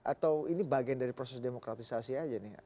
atau ini bagian dari proses demokratisasi aja nih